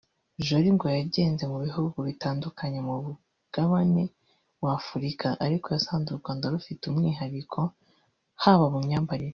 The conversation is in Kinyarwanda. Jorie ngo yagenze mu bihugu bitandukanye ku Mugabane wa Afurika ariko yasanze u Rwanda rufite umwiharikohaba mu myambarire